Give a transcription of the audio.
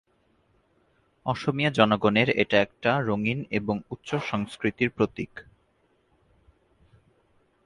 অসমীয়া জনগণের এটা একটা রঙিন এবং উচ্চ সংস্কৃতির প্রতীক।